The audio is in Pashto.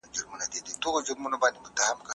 دا کتاب د یوې دورې شاهد دی.